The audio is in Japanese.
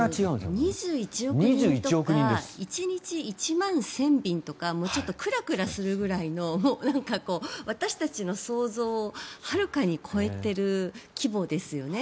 ２１億人とか１日１万１０００便とかクラクラするくらいの私たちの想像をはるかに超えてる規模ですよね。